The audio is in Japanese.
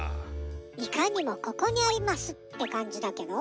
いかにも「ここにあります」ってかんじだけど。